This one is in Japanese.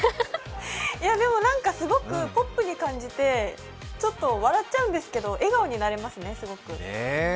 でもすごくポップに感じてちょっと笑っちゃうんですけどすごく笑顔になれますね。